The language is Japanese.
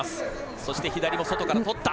そして左も外から取った。